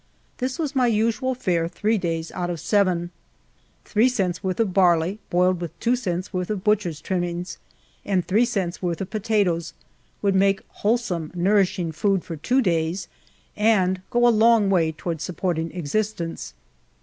This was my usual fare three days out of seven. Three cents' worth of barley boiled with two cents' worth of butcher's trimtnings, and three cents' worth of potatoes, would make wholesome, nourishing food for two days, and go a long way towards supporting existence.